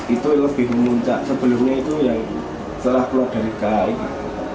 itu lebih memuncak sebelumnya itu yang setelah keluar dari ka ini